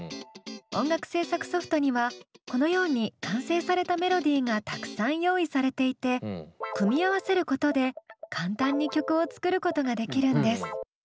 音楽制作ソフトにはこのように完成されたメロディーがたくさん用意されていて組み合わせることで簡単に曲を作ることができるんです。